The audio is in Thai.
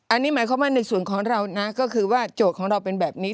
อันนี้หมายความว่าในส่วนของเรานะก็คือว่าโจทย์ของเราเป็นแบบนี้